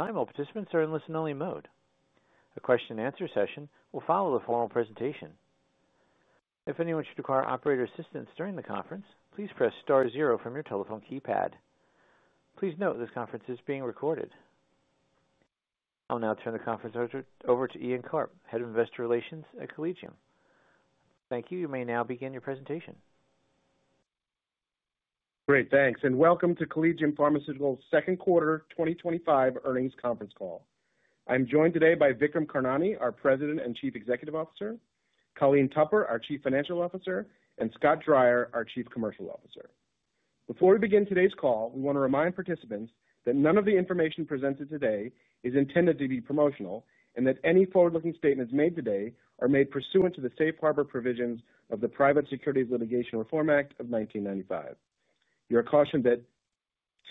At this time, all participants are in listen-only mode. A question and answer session will follow the formal presentation. If anyone should require operator assistance during the conference, please press star zero from your telephone keypad. Please note this conference is being recorded. I'll now turn the conference over to Ian Karp, Head of Investor Relations at Collegium. Thank you. You may now begin your presentation. Great, thanks. Welcome to Collegium Pharmaceutical's Second Quarter 2025 Earnings Conference Call. I'm joined today by Vikram Karnani, our President and Chief Executive Officer, Colleen Tupper, our Chief Financial Officer, and Scott Dreyer, our Chief Commercial Officer. Before we begin today's call, we want to remind participants that none of the information presented today is intended to be promotional and that any forward-looking statements made today are made pursuant to the safe harbor provisions of the Private Securities Litigation Reform Act of 1995. We are cautioned that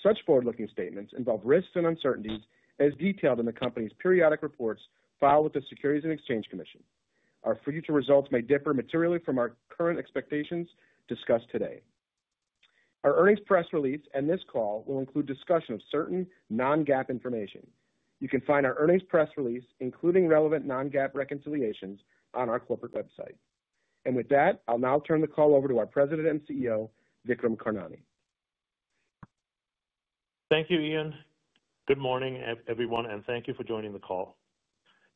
such forward-looking statements involve risks and uncertainties as detailed in the company's periodic reports filed with the Securities and Exchange Commission. Our future results may differ materially from our current expectations discussed today. Our earnings press release and this call will include discussion of certain non-GAAP information. You can find our earnings press release, including relevant non-GAAP reconciliations, on our corporate website. With that, I'll now turn the call over to our President and CEO, Vikram Karnani. Thank you, Ian. Good morning, everyone, and thank you for joining the call.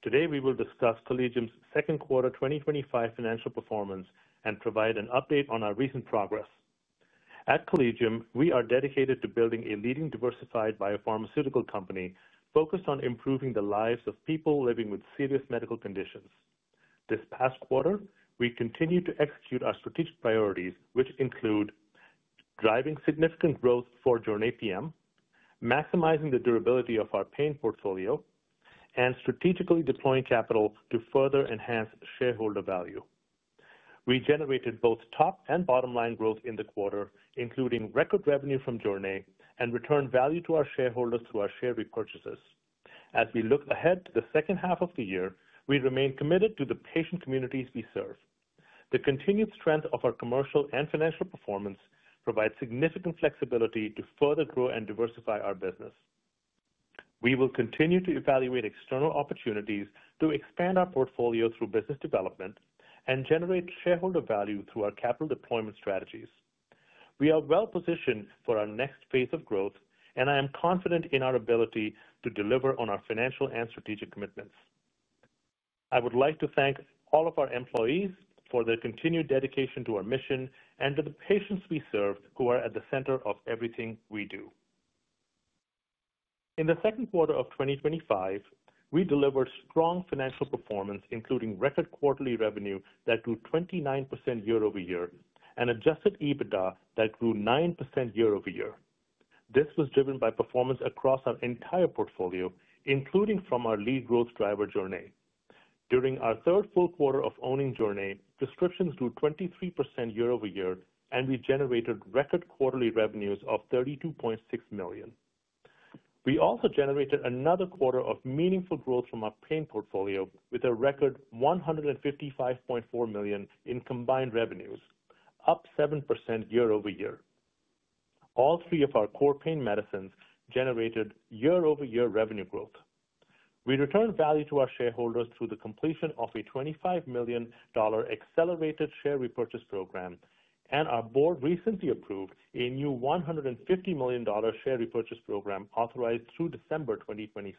Today, we will discuss Collegium's second quarter 2025 financial performance and provide an update on our recent progress. At Collegium, we are dedicated to building a leading diversified biopharmaceutical company focused on improving the lives of people living with serious medical conditions. This past quarter, we continued to execute our strategic priorities, which include driving significant growth for JORNAY PM, maximizing the durability of our pain portfolio, and strategically deploying capital to further enhance shareholder value. We generated both top and bottom line growth in the quarter, including record revenue from JORNAY and returned value to our shareholders through our share repurchases. As we look ahead to the second half of the year, we remain committed to the patient communities we serve. The continued strength of our commercial and financial performance provides significant flexibility to further grow and diversify our business. We will continue to evaluate external opportunities to expand our portfolio through business development and generate shareholder value through our capital deployment strategies. We are well-positioned for our next phase of growth, and I am confident in our ability to deliver on our financial and strategic commitments. I would like to thank all of our employees for their continued dedication to our mission and to the patients we serve, who are at the center of everything we do. In the second quarter of 2025, we delivered strong financial performance, including record quarterly revenue that grew 29% year-over-year and adjusted EBITDA that grew 9% year-over-year. This was driven by performance across our entire portfolio, including from our lead growth driver, JORNAY. During our third full quarter of owning JORNAY, prescriptions grew 23% year-over-year, and we generated record quarterly revenues of $32.6 million. We also generated another quarter of meaningful growth from our pain portfolio with a record $155.4 million in combined revenues, up 7% year-over-year. All three of our core pain medicines generated year-over-year revenue growth. We returned value to our shareholders through the completion of a $25 million accelerated share repurchase program, and our Board recently approved a new $150 million share repurchase program authorized through December 2026.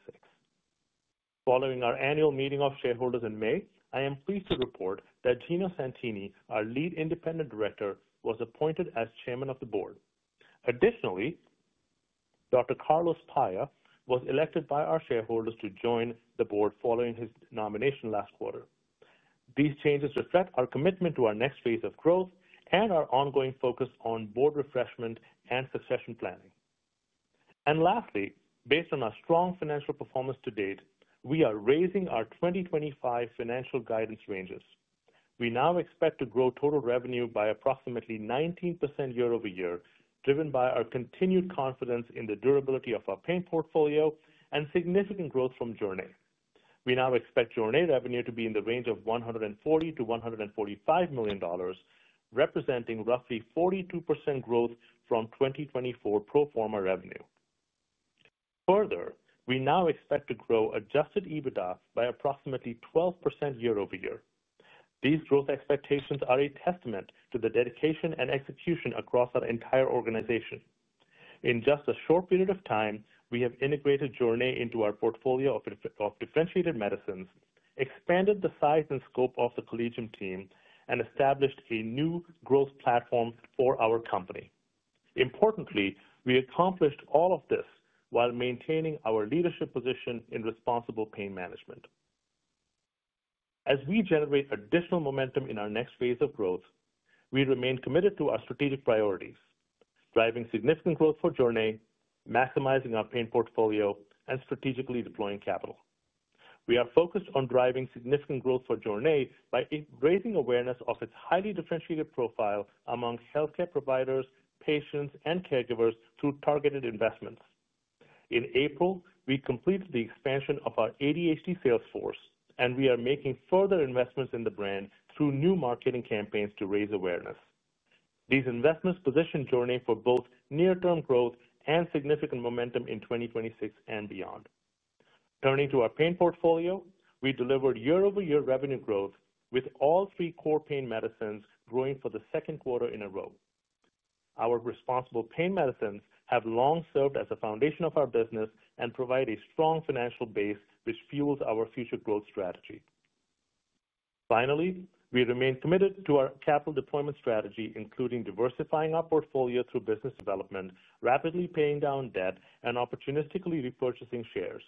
Following our annual meeting of shareholders in May, I am pleased to report that Gino Santini, our Lead Independent Director, was appointed as Chairman of the Board. Additionally, Dr. Carlos Paya was elected by our shareholders to join the Board following his nomination last quarter. These changes reflect our commitment to our next phase of growth and our ongoing focus on Board refreshment and succession planning. Lastly, based on our strong financial performance to date, we are raising our 2025 financial guidance ranges. We now expect to grow total revenue by approximately 19% year-over-year, driven by our continued confidence in the durability of our pain portfolio and significant growth from JORNAY. We now expect JORNAY revenue to be in the range of $140 million-$145 million, representing roughly 42% growth from 2024 pro forma revenue. Further, we now expect to grow adjusted EBITDA by approximately 12% year-over-year. These growth expectations are a testament to the dedication and execution across our entire organization. In just a short period of time, we have integrated JORNAY into our portfolio of differentiated medicines, expanded the size and scope of the Collegium team, and established a new growth platform for our company. Importantly, we accomplished all of this while maintaining our leadership position in responsible pain management. As we generate additional momentum in our next phase of growth, we remain committed to our strategic priorities, driving significant growth for JORNAY, maximizing our pain portfolio, and strategically deploying capital. We are focused on driving significant growth for JORNAY by raising awareness of its highly differentiated profile among healthcare providers, patients, and caregivers through targeted investments. In April, we completed the expansion of our ADHD sales force, and we are making further investments in the brand through new marketing campaigns to raise awareness. These investments position JORNAY for both near-term growth and significant momentum in 2026 and beyond. Turning to our pain portfolio, we delivered year-over-year revenue growth with all three core pain medicines growing for the second quarter in a row. Our responsible pain medicines have long served as the foundation of our business and provide a strong financial base which fuels our future growth strategy. Finally, we remain committed to our capital deployment strategy, including diversifying our portfolio through business development, rapidly paying down debt, and opportunistically repurchasing shares.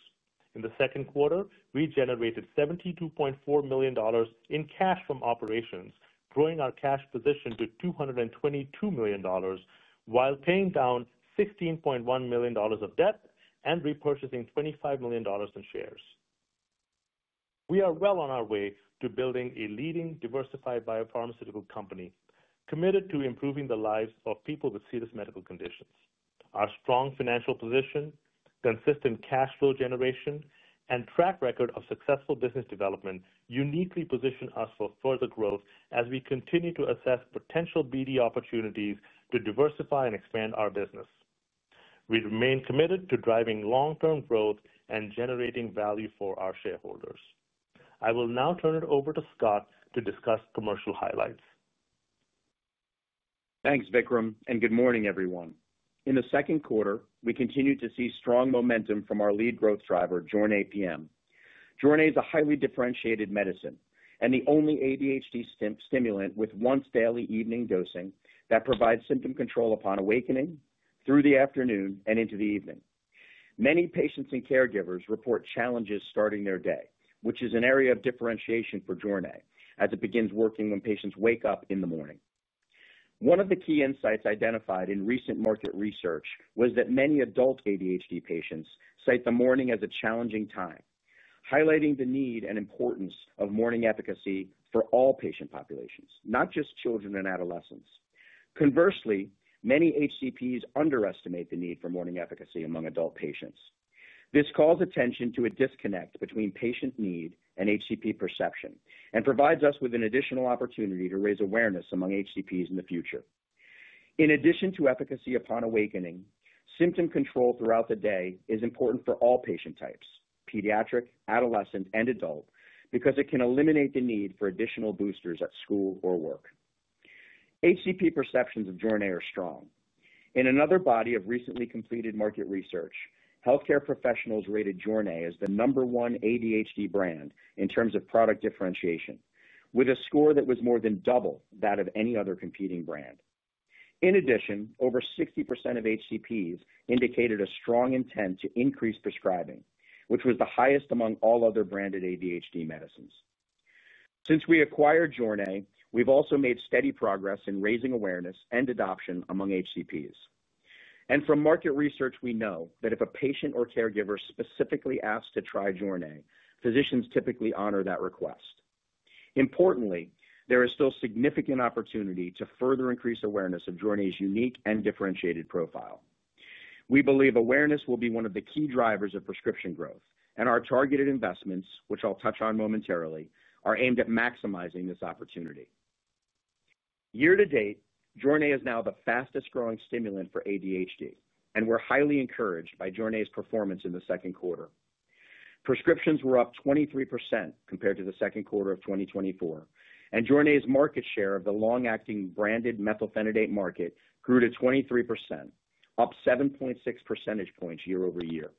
In the second quarter, we generated $72.4 million in cash from operations, growing our cash position to $222 million, while paying down $16.1 million of debt and repurchasing $25 million in shares. We are well on our way to building a leading diversified biopharmaceutical company, committed to improving the lives of people with serious medical conditions. Our strong financial position, consistent cash flow generation, and track record of successful business development uniquely position us for further growth as we continue to assess potential BD opportunities to diversify and expand our business. We remain committed to driving long-term growth and generating value for our shareholders. I will now turn it over to Scott to discuss commercial highlights. Thanks, Vikram, and good morning, everyone. In the second quarter, we continued to see strong momentum from our lead growth driver, JORNAY PM. JORNAY is a highly differentiated medicine and the only ADHD stimulant with once-daily evening dosing that provides symptom control upon awakening, through the afternoon, and into the evening. Many patients and caregivers report challenges starting their day, which is an area of differentiation for JORNAY, as it begins working when patients wake up in the morning. One of the key insights identified in recent market research was that many adult ADHD patients cite the morning as a challenging time, highlighting the need and importance of morning efficacy for all patient populations, not just children and adolescents. Conversely, many HCPs underestimate the need for morning efficacy among adult patients. This calls attention to a disconnect between patient need and HCP perception and provides us with an additional opportunity to raise awareness among HCPs in the future. In addition to efficacy upon awakening, symptom control throughout the day is important for all patient types: pediatric, adolescent, and adult, because it can eliminate the need for additional boosters at school or work. HCP perceptions of JORNAY are strong. In another body of recently completed market research, healthcare professionals rated JORNAY as the number one ADHD brand in terms of product differentiation, with a score that was more than double that of any other competing brand. In addition, over 60% of HCPs indicated a strong intent to increase prescribing, which was the highest among all other branded ADHD medicines. Since we acquired JORNAY, we've also made steady progress in raising awareness and adoption among HCPs. From market research, we know that if a patient or caregiver specifically asks to try JORNAY, physicians typically honor that request. Importantly, there is still significant opportunity to further increase awareness of JORNAY's unique and differentiated profile. We believe awareness will be one of the key drivers of prescription growth, and our targeted investments, which I'll touch on momentarily, are aimed at maximizing this opportunity. Year to date, JORNAY is now the fastest growing stimulant for ADHD, and we're highly encouraged by JORNAY's performance in the second quarter. Prescriptions were up 23% compared to the second quarter of 2024, and JORNAY's market share of the long-acting branded methylphenidate market grew to 23%, up 7.6 percentage points year-over-year.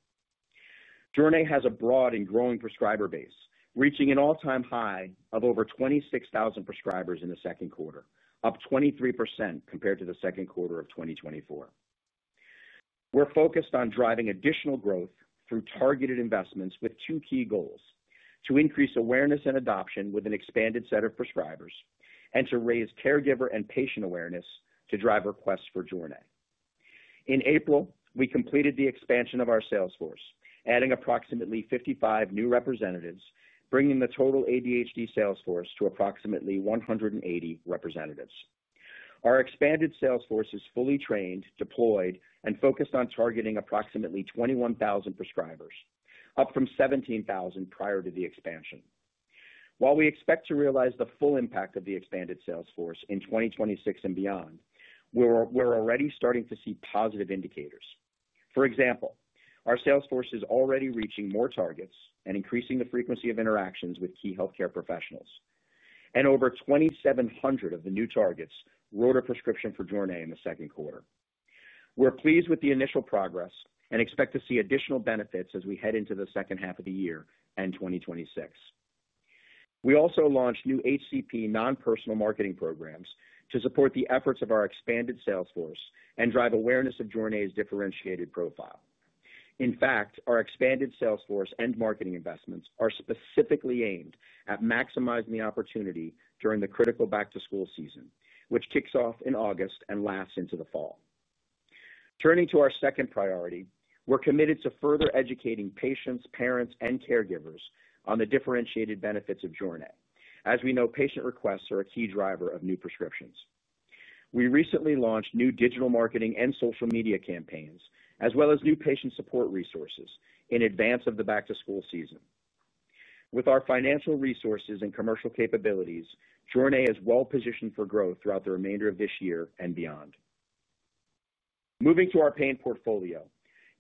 JORNAY has a broad and growing prescriber base, reaching an all-time high of over 26,000 prescribers in the second quarter, up 23% compared to the second quarter of 2024. We're focused on driving additional growth through targeted investments with two key goals: to increase awareness and adoption with an expanded set of prescribers and to raise caregiver and patient awareness to drive requests for JORNAY. In April, we completed the expansion of our sales force, adding approximately 55 new representatives, bringing the total ADHD sales force to approximately 180 representatives. Our expanded sales force is fully trained, deployed, and focused on targeting approximately 21,000 prescribers, up from 17,000 prior to the expansion. While we expect to realize the full impact of the expanded sales force in 2026 and beyond, we're already starting to see positive indicators. For example, our sales force is already reaching more targets and increasing the frequency of interactions with key healthcare professionals. Over 2,700 of the new targets wrote a prescription for JORNAY in the second quarter. We're pleased with the initial progress and expect to see additional benefits as we head into the second half of the year and 2026. We also launched new HCP non-personal marketing programs to support the efforts of our expanded sales force and drive awareness of JORNAY's differentiated profile. In fact, our expanded sales force and marketing investments are specifically aimed at maximizing the opportunity during the critical back-to-school season, which kicks off in August and lasts into the fall. Turning to our second priority, we're committed to further educating patients, parents, and caregivers on the differentiated benefits of JORNAY, as we know patient requests are a key driver of new prescriptions. We recently launched new digital marketing and social media campaigns, as well as new patient support resources in advance of the back-to-school season. With our financial resources and commercial capabilities, JORNAY is well-positioned for growth throughout the remainder of this year and beyond. Moving to our pain portfolio,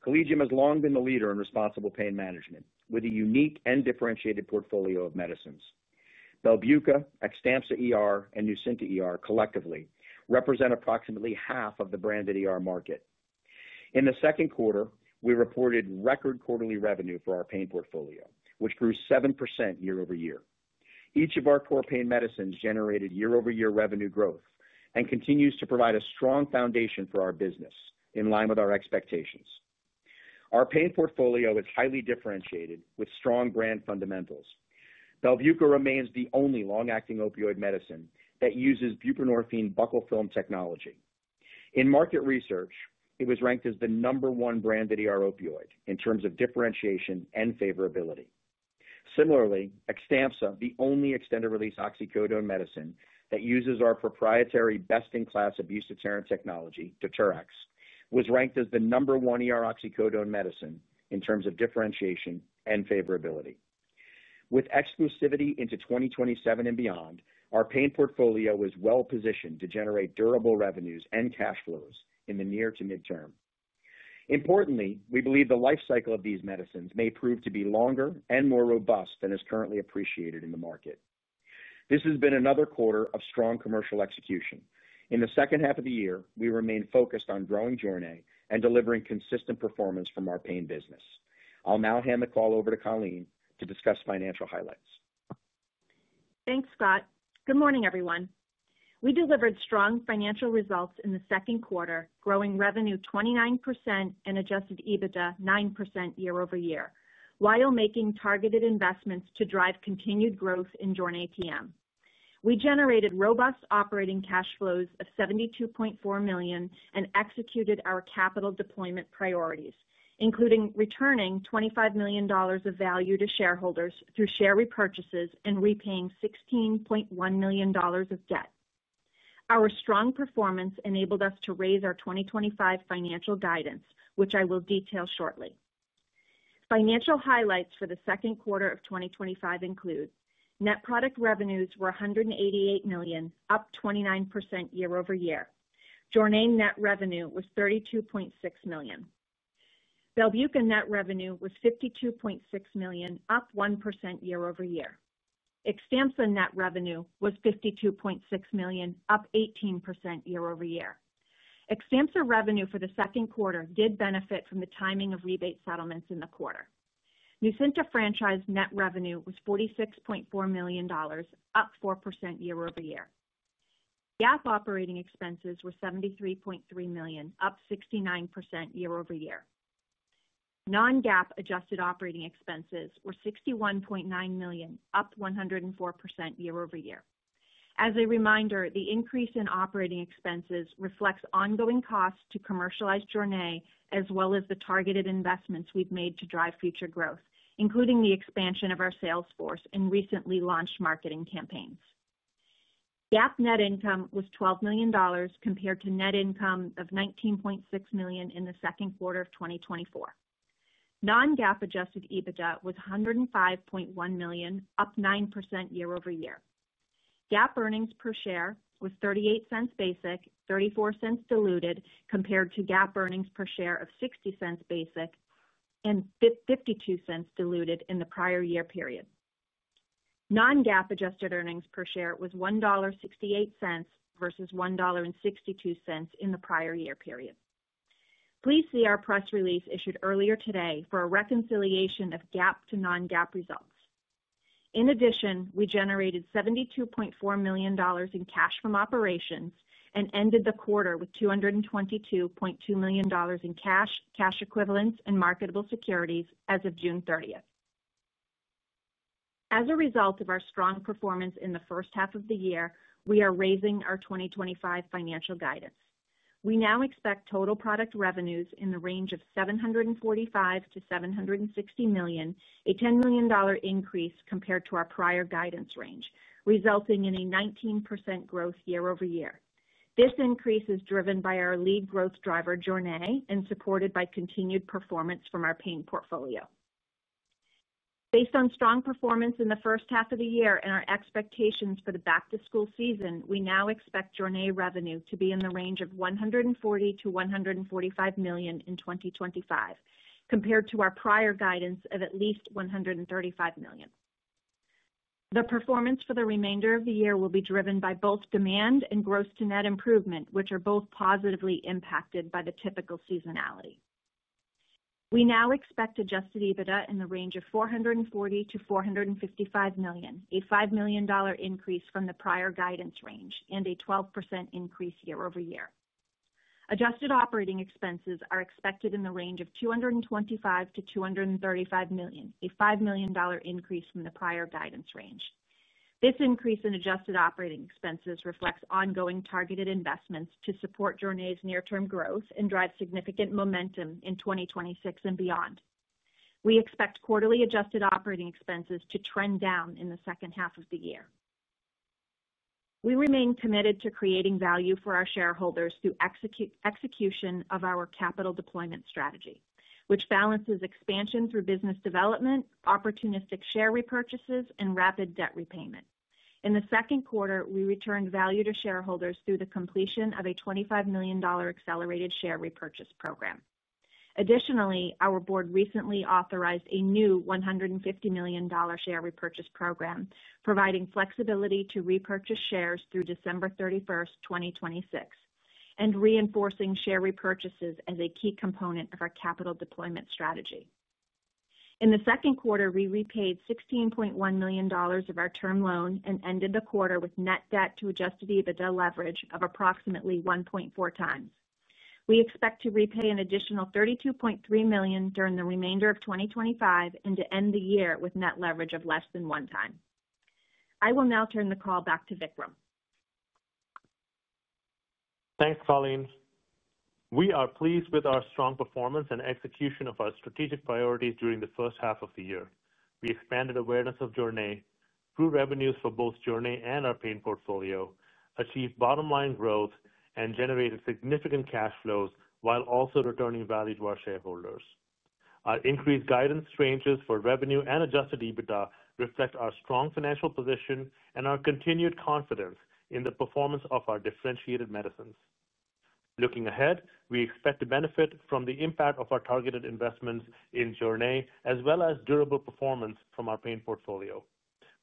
Collegium has long been the leader in responsible pain management, with a unique and differentiated portfolio of medicines. BELBUCA, XTAMPZA ER, and NUCYNTA ER collectively represent approximately half of the branded ER market. In the second quarter, we reported record quarterly revenue for our pain portfolio, which grew 7% year-over-year. Each of our core pain medicines generated year-over-year revenue growth and continues to provide a strong foundation for our business, in line with our expectations. Our pain portfolio is highly differentiated with strong brand fundamentals. BELBUCA remains the only long-acting opioid medicine that uses buprenorphine buccal film technology. In market research, it was ranked as the number one branded ER opioid in terms of differentiation and favorability. Similarly, XTAMPZA, the only extended-release oxycodone medicine that uses our proprietary best-in-class abuse deterrent technology, DETERx, was ranked as the number one oxycodone medicine in terms of differentiation and favorability. With exclusivity into 2027 and beyond, our pain portfolio is well-positioned to generate durable revenues and cash flows in the near to midterm. Importantly, we believe the lifecycle of these medicines may prove to be longer and more robust than is currently appreciated in the market. This has been another quarter of strong commercial execution. In the second half of the year, we remain focused on growing JORNAY and delivering consistent performance from our pain business. I'll now hand the call over to Colleen to discuss financial highlights. Thanks, Scott. Good morning, everyone. We delivered strong financial results in the second quarter, growing revenue 29% and adjusted EBITDA 9% year-over-year, while making targeted investments to drive continued growth in JORNAY PM. We generated robust operating cash flows of $72.4 million and executed our capital deployment priorities, including returning $25 million of value to shareholders through share repurchases and repaying $16.1 million of debt. Our strong performance enabled us to raise our 2025 financial guidance, which I will detail shortly. Financial highlights for the second quarter of 2025 include net product revenues were $188 million, up 29% year-over-year. JORNAY net revenue was $32.6 million. BELBUCA net revenue was $52.6 million, up 1% year-over-year. XTAMPZA net revenue was $52.6 million, up 18% year-over-year. XTAMPZA revenue for the second quarter did benefit from the timing of rebate settlements in the quarter. NUCYNTA franchise net revenue was $46.4 million, up 4% year-over-year. GAAP operating expenses were $73.3 million, up 69% year-over-year. Non-GAAP adjusted operating expenses were $61.9 million, up 104% year-over-year. As a reminder, the increase in operating expenses reflects ongoing costs to commercialize JORNAY, as well as the targeted investments we've made to drive future growth, including the expansion of our sales force and recently launched marketing campaigns. GAAP net income was $12 million compared to net income of $19.6 million in the second quarter of 2024. Non-GAAP adjusted EBITDA was $105.1 million, up 9% year-over-year. GAAP earnings per share was $0.38 basic, $0.34 diluted compared to GAAP earnings per share of $0.60 basic and $0.52 diluted in the prior year period. Non-GAAP adjusted earnings per share was $1.68 versus $1.62 in the prior year period. Please see our press release issued earlier today for a reconciliation of GAAP to non-GAAP results. In addition, we generated $72.4 million in cash from operations and ended the quarter with $222.2 million in cash, cash equivalents, and marketable securities as of June 30th. As a result of our strong performance in the first half of the year, we are raising our 2025 financial guidance. We now expect total product revenues in the range of $745 million-$760 million, a $10 million increase compared to our prior guidance range, resulting in a 19% growth year-over-year. This increase is driven by our lead growth driver, JORNAY, and supported by continued performance from our pain portfolio. Based on strong performance in the first half of the year and our expectations for the back-to-school season, we now expect JORNAY revenue to be in the range of $140 million-$145 million in 2025, compared to our prior guidance of at least $135 million. The performance for the remainder of the year will be driven by both demand and gross-to-net improvement, which are both positively impacted by the typical seasonality. We now expect adjusted EBITDA in the range of $440 million-$455 million, a $5 million increase from the prior guidance range, and a 12% increase year-over-year. Adjusted operating expenses are expected in the range of $225 million-$235 million, a $5 million increase from the prior guidance range. This increase in adjusted operating expenses reflects ongoing targeted investments to support JORNAY's near-term growth and drive significant momentum in 2026 and beyond. We expect quarterly adjusted operating expenses to trend down in the second half of the year. We remain committed to creating value for our shareholders through execution of our capital deployment strategy, which balances expansion through business development, opportunistic share repurchases, and rapid debt repayment. In the second quarter, we returned value to shareholders through the completion of a $25 million accelerated share repurchase program. Additionally, our Board recently authorized a new $150 million share repurchase program, providing flexibility to repurchase shares through December 31, 2026, and reinforcing share repurchases as a key component of our capital deployment strategy. In the second quarter, we repaid $16.1 million of our term loan and ended the quarter with net debt to adjusted EBITDA leverage of approximately 1.4x. We expect to repay an additional $32.3 million during the remainder of 2025 and to end the year with net leverage of less than 1x. I will now turn the call back to Vikram. Thanks, Colleen. We are pleased with our strong performance and execution of our strategic priorities during the first half of the year. We expanded awareness of JORNAY, grew revenues for both JORNAY and our pain portfolio, achieved bottom line growth, and generated significant cash flows while also returning value to our shareholders. Our increased guidance ranges for revenue and adjusted EBITDA reflect our strong financial position and our continued confidence in the performance of our differentiated medicines. Looking ahead, we expect to benefit from the impact of our targeted investments in JORNAY, as well as durable performance from our pain portfolio.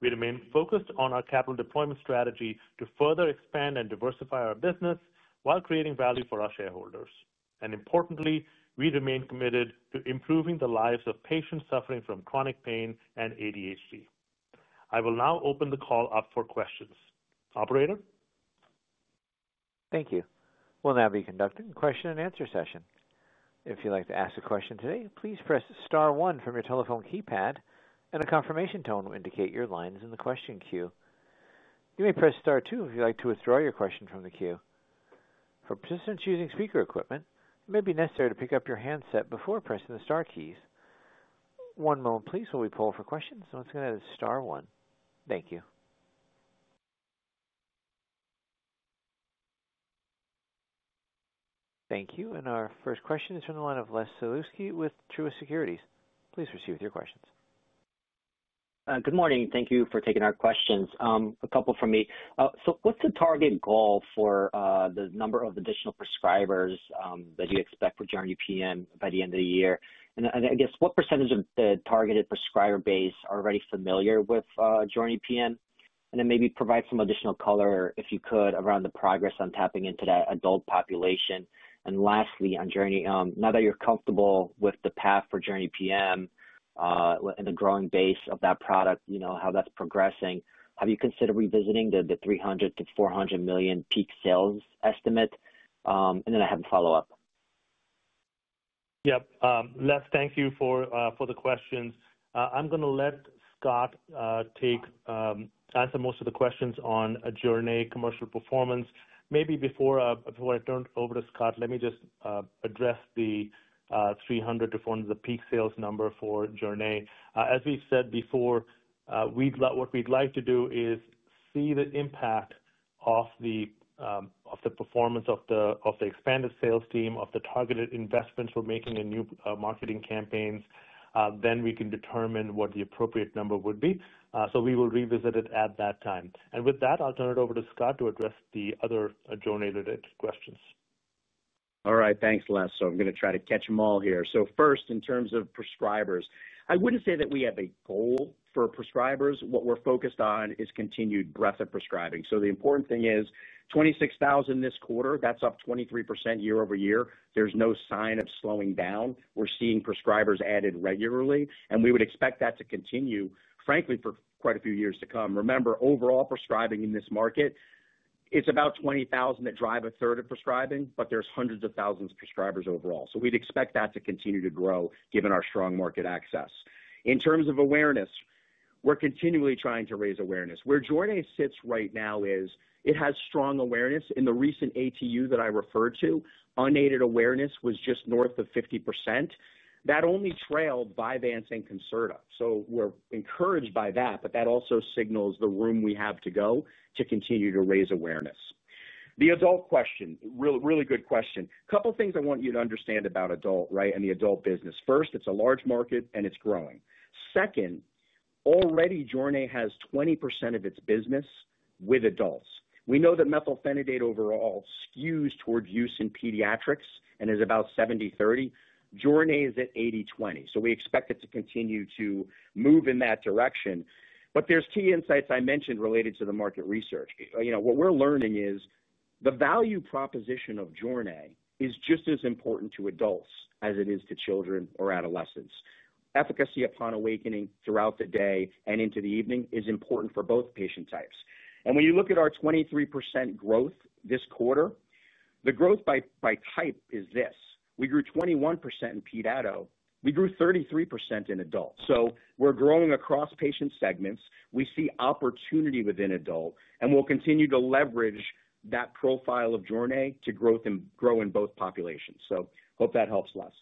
We remain focused on our capital deployment strategy to further expand and diversify our business while creating value for our shareholders. Importantly, we remain committed to improving the lives of patients suffering from chronic pain and ADHD. I will now open the call up for questions. Operator? Thank you. We'll now be conducting a question and answer session. If you'd like to ask a question today, please press star one from your telephone keypad, and a confirmation tone will indicate your line is in the question queue. You may press star two if you'd like to withdraw your question from the queue. For participants using speaker equipment, it may be necessary to pick up your handset before pressing the star keys. One moment, please, while we poll for questions. Once again, that is star one. Thank you. Thank you. Our first question is from the line of Les Sulewski with Truist Securities. Please proceed with your questions. Good morning. Thank you for taking our questions. A couple from me. What's the target goal for the number of additional prescribers that you expect for JORNAY PM by the end of the year? What percentage of the targeted prescriber base are already familiar with JORNAY PM? Maybe provide some additional color, if you could, around the progress on tapping into that adult population. Lastly, on JORNAY, now that you're comfortable with the path for JORNAY PM and the growing base of that product, you know how that's progressing, have you considered revisiting the $300 million-$400 million peak sales estimate? I have a follow-up. Les, thank you for the questions. I'm going to let Scott take answer most of the questions on JORNAY commercial performance. Maybe before I turn it over to Scott, let me just address the $300 million-$400 million peak sales number for JORNAY. As we've said before, what we'd like to do is see the impact of the performance of the expanded sales team, of the targeted investments we're making in new marketing campaigns. We can determine what the appropriate number would be. We will revisit it at that time. With that, I'll turn it over to Scott to address the other JORNAY related questions. All right. Thanks, Les. I'm going to try to catch them all here. First, in terms of prescribers, I wouldn't say that we have a goal for prescribers. What we're focused on is continued breadth of prescribing. The important thing is 26,000 this quarter. That's up 23% year-over-year. There's no sign of slowing down. We're seeing prescribers added regularly, and we would expect that to continue, frankly, for quite a few years to come. Remember, overall prescribing in this market, it's about 20,000 that drive 1/3 of prescribing, but there's hundreds of thousands of prescribers overall. We'd expect that to continue to grow given our strong market access. In terms of awareness, we're continually trying to raise awareness. Where JORNAY sits right now is it has strong awareness. In the recent ATU that I referred to, unaided awareness was just north of 50%. That only trailed Vyvanse and Concerta. We're encouraged by that, but that also signals the room we have to go to continue to raise awareness. The adult question, really good question. A couple of things I want you to understand about adult, right, and the adult business. First, it's a large market and it's growing. Second, already JORNAY has 20% of its business with adults. We know that methylphenidate overall skews toward use in pediatrics and is about 70/30. JORNAY is at 80/20. We expect it to continue to move in that direction. There are key insights I mentioned related to the market research. What we're learning is the value proposition of JORNAY is just as important to adults as it is to children or adolescents. Efficacy upon awakening throughout the day and into the evening is important for both patient types. When you look at our 23% growth this quarter, the growth by type is this. We grew 21% in [pediatrics]. We grew 33% in adult. We're growing across patient segments. We see opportunity within adult, and we'll continue to leverage that profile of JORNAY to grow in both populations. Hope that helps, Les.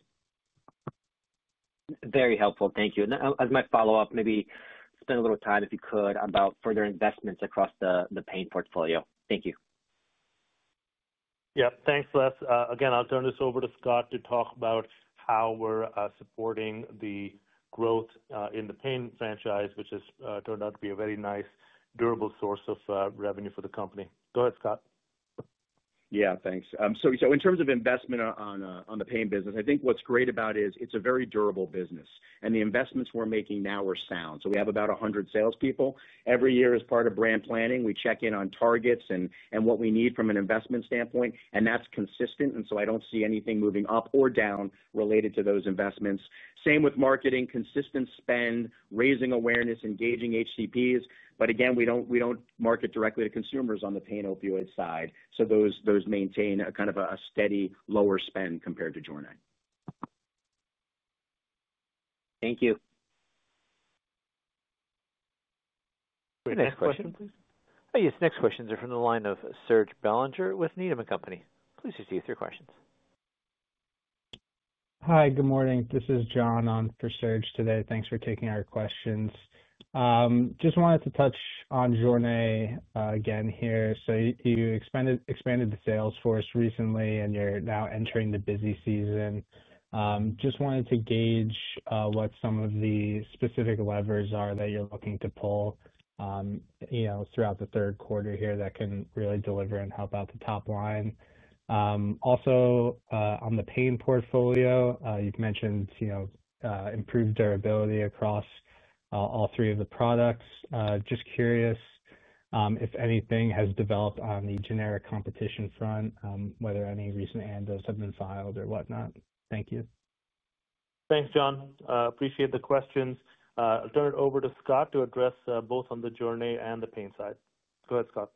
Very helpful. Thank you. As my follow-up, maybe spend a little time, if you could, about further investments across the pain portfolio. Thank you. Yep. Thanks, Les. I'll turn this over to Scott to talk about how we're supporting the growth in the pain franchise, which has turned out to be a very nice, durable source of revenue for the company. Go ahead, Scott. Yeah, thanks. In terms of investment on the pain business, I think what's great about it is it's a very durable business. The investments we're making now are sound. We have about 100 salespeople. Every year, as part of brand planning, we check in on targets and what we need from an investment standpoint. That's consistent. I don't see anything moving up or down related to those investments. The same with marketing, consistent spend, raising awareness, engaging HCPs. We don't market directly to consumers on the pain opioid side. Those maintain a kind of a steady lower spend compared to JORNAY. Thank you. Next question, please. Hi. Yes, next questions are from the line of Serge Belanger with Needham & Company. Please receive your questions. Hi, good morning. This is John on for Serge today. Thanks for taking our questions. Just wanted to touch on JORNAY again here. You expanded the sales force recently, and you're now entering the busy season. Just wanted to gauge what some of the specific levers are that you're looking to pull throughout the third quarter here that can really deliver and help out the top line. Also, on the pain portfolio, you've mentioned improved durability across all three of the products. Just curious if anything has developed on the generic competition front, whether any recent ANDAs have been filed or whatnot. Thank you. Thanks, John. Appreciate the questions. I'll turn it over to Scott to address both on the JORNAY and the pain side. Go ahead, Scott.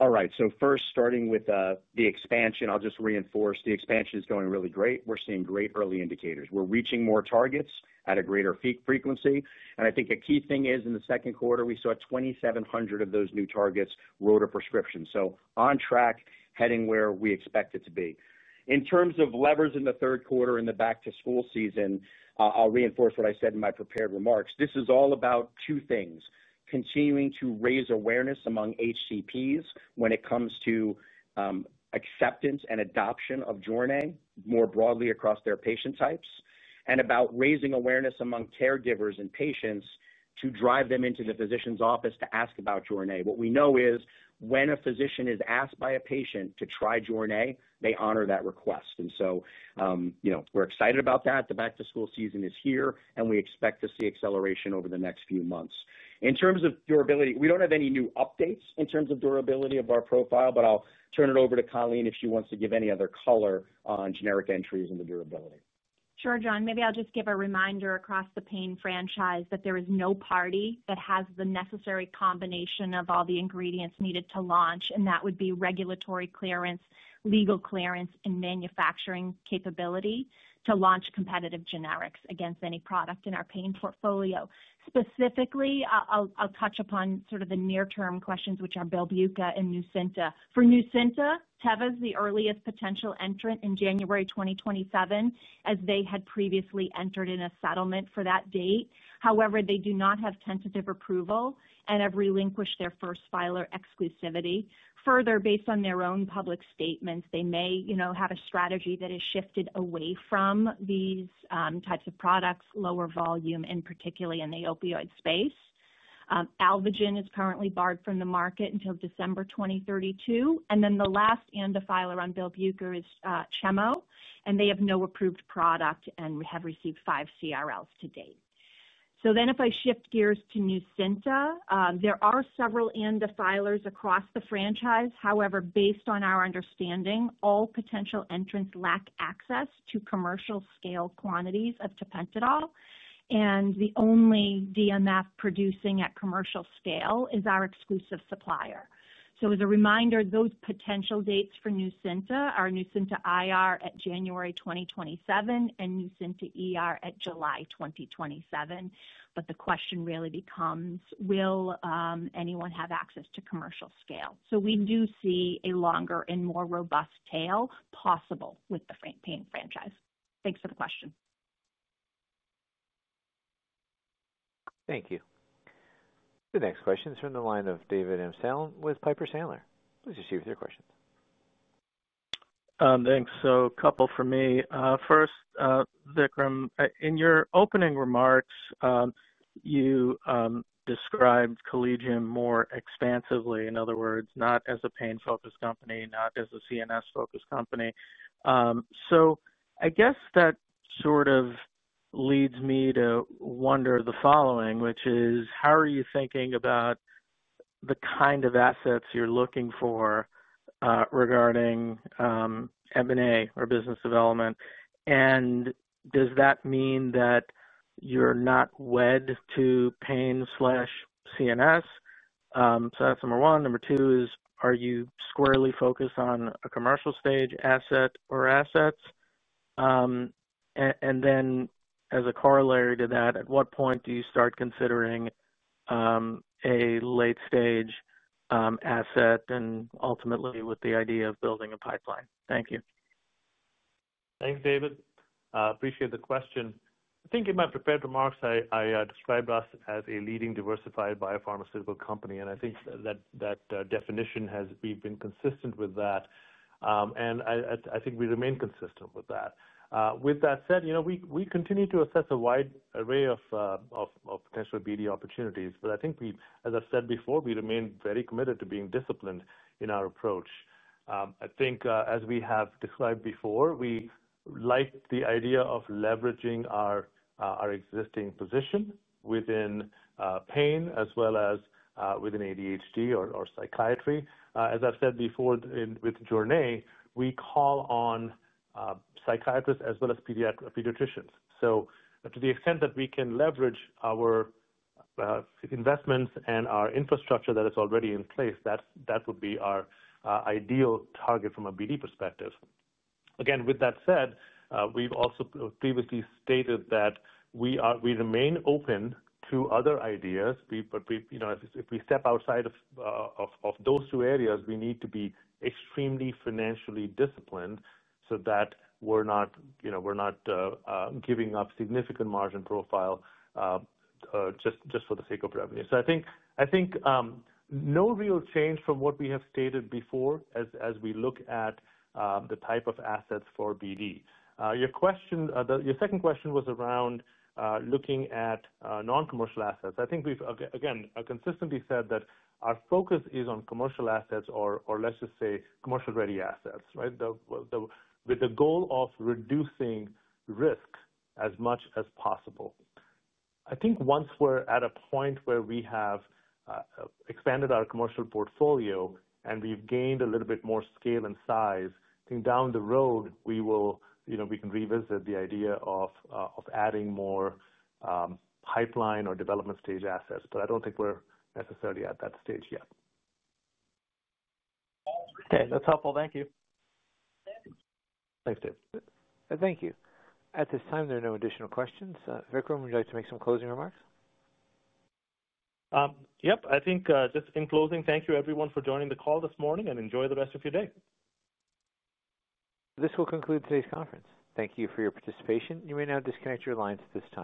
All right. So first, starting with the expansion, I'll just reinforce the expansion is going really great. We're seeing great early indicators. We're reaching more targets at a greater frequency. I think a key thing is in the second quarter, we saw 2,700 of those new targets wrote a prescription. On track, heading where we expect it to be. In terms of levers in the third quarter in the back-to-school season, I'll reinforce what I said in my prepared remarks. This is all about two things, continuing to raise awareness among HCPs when it comes to acceptance and adoption of JORNAY more broadly across their patient types, and about raising awareness among caregivers and patients to drive them into the physician's office to ask about JORNAY. What we know is when a physician is asked by a patient to try JORNAY, they honor that request. We're excited about that. The back-to-school season is here, and we expect to see acceleration over the next few months. In terms of durability, we don't have any new updates in terms of durability of our profile, but I'll turn it over to Colleen if she wants to give any other color on generic entries in the durability. Sure, John. Maybe I'll just give a reminder across the pain franchise that there is no party that has the necessary combination of all the ingredients needed to launch, and that would be regulatory clearance, legal clearance, and manufacturing capability to launch competitive generics against any product in our pain portfolio. Specifically, I'll touch upon sort of the near-term questions, which are BELBUCA and NUCYNTA. For NUCYNTA, Teva is the earliest potential entrant in January 2027, as they had previously entered in a settlement for that date. However, they do not have tentative approval and have relinquished their first filer exclusivity. Further, based on their own public statements, they may, you know, have a strategy that has shifted away from these types of products, lower volume, and particularly in the opioid space. Alvogen is currently barred from the market until December 2032. The last ANDA filer on BELBUCA is Chemo, and they have no approved product and have received five CRLs to date. If I shift gears to NUCYNTA, there are several ANDA filers across the franchise. However, based on our understanding, all potential entrants lack access to commercial-scale quantities of tapentadol, and the only DMF producing at commercial scale is our exclusive supplier. As a reminder, those potential dates for NUCYNTA are NUCYNTA IR at January 2027 and NUCYNTA ER at July 2027. The question really becomes, will anyone have access to commercial scale? We do see a longer and more robust tail possible with the pain franchise. Thanks for the question. Thank you. The next question is from the line of David Amsellem with Piper Sandler. Please proceed with your questions. Thanks. A couple for me. First, Vikram, in your opening remarks, you described Collegium more expansively. In other words, not as a pain-focused company, not as a CNS-focused company. I guess that sort of leads me to wonder the following, which is, how are you thinking about the kind of assets you're looking for regarding M&A or business development? Does that mean that you're not wed to pain/CNS? That's number one. Number two is, are you squarely focused on a commercial stage asset or assets? As a corollary to that, at what point do you start considering a late-stage asset and ultimately with the idea of building a pipeline? Thank you. Thanks, David. I appreciate the question. I think in my prepared remarks, I described us as a leading diversified biopharmaceutical company, and I think that definition has been consistent with that. I think we remain consistent with that. With that said, we continue to assess a wide array of potential BD opportunities. I think, as I've said before, we remain very committed to being disciplined in our approach. As we have described before, we like the idea of leveraging our existing position within pain as well as within ADHD or psychiatry. As I've said before, with JORNAY, we call on psychiatrists as well as pediatricians. To the extent that we can leverage our investments and our infrastructure that is already in place, that would be our ideal target from a BD perspective. With that said, we've also previously stated that we remain open to other ideas. If we step outside of those two areas, we need to be extremely financially disciplined so that we're not giving up significant margin profile just for the sake of revenue. I think no real change from what we have stated before as we look at the type of assets for BD. Your second question was around looking at non-commercial assets. I think we've, again, consistently said that our focus is on commercial assets or, let's just say, commercial-ready assets, with the goal of reducing risk as much as possible. I think once we're at a point where we have expanded our commercial portfolio and we've gained a little bit more scale and size, down the road, we can revisit the idea of adding more pipeline or development stage assets. I don't think we're necessarily at that stage yet. Okay, that's helpful. Thank you. Thanks, David. Thank you. At this time, there are no additional questions. Vikram, would you like to make some closing remarks? I think just in closing, thank you, everyone, for joining the call this morning and enjoy the rest of your day. This will conclude today's conference. Thank you for your participation. You may now disconnect your lines at this time.